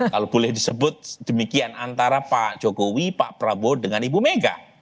kalau boleh disebut demikian antara pak jokowi pak prabowo dengan ibu mega